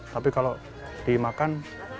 tapi kalau dimakan